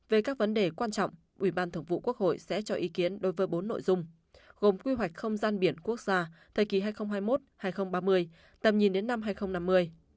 về các vấn đề quan trọng ubthqh sẽ cho ý kiến đối với bốn nội dung gồm quy hoạch không gian biển quốc gia thời kỳ hai nghìn hai mươi một hai nghìn ba mươi tầm nhìn đến năm hai nghìn năm mươi